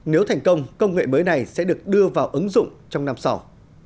nếu thành công công nghệ mới này sẽ được đưa vào ứng dụng trong năm sau